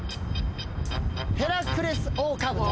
ヘラクレスオオカブト。